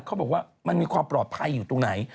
เขาบอกว่ามันมีความปลอดภัยอยู่ตรงไหน